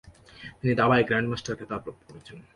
তিনি দাবায় গ্র্যান্ডমাস্টার খেতাব লাভ করেছেন।